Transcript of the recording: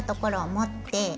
持って。